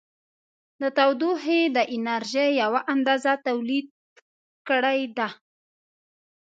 د تودوخې د انرژي یوه اندازه تولید کړې ده.